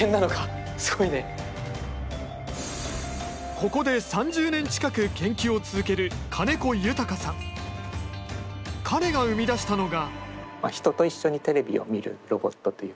ここで３０年近く研究を続ける彼が生み出したのが。